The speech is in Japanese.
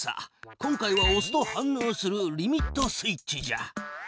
今回はおすと反のうするリミットスイッチじゃ。